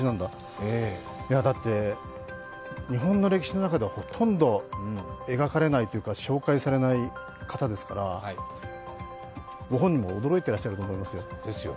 だって日本の歴史の中ではほとんど描かれないというか、紹介されない方ですからご本人も驚いてらっしゃると思いますよ。